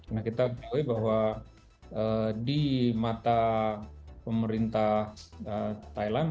nah kita ketahui bahwa di mata pemerintah thailand